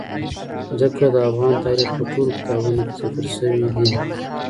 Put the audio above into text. ځمکه د افغان تاریخ په ټولو کتابونو کې ذکر شوی دي.